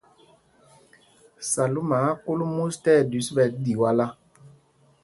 Salúma á á kūl mûs tí ɛɗüis ɓɛ̌ Ɗiwálá.